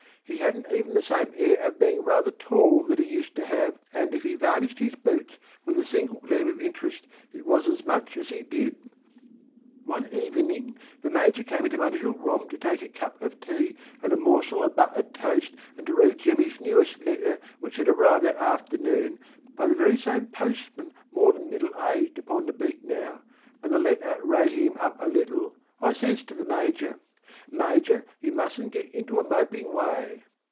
He hadn't even the same air of being rather tall than he used to have, and if he varnished his boots with a single gleam of interest it was as much as he did. One evening the Major came into my little room to take a cup of tea and a morsel of buttered toast and to read Jemmy's newest letter which had arrived that afternoon (by the very same postman more than middle aged upon the Beat now), and the letter raising him up a little I says to the Major: "Major you mustn't get into a moping way."